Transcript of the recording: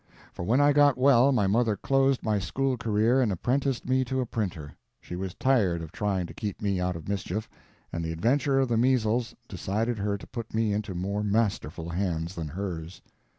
For when I got well my mother closed my school career and apprenticed me to a printer. She was tired of trying to keep me out of mischief, and the adventure of the measles decided her to put me into more masterful hands than hers.